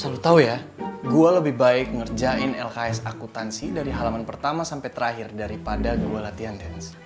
salah lu tau ya gua lebih baik ngerjain lks akutansi dari halaman pertama sampe terakhir daripada gua latihan dance